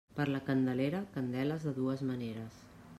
Per la Candelera, candeles de dues maneres.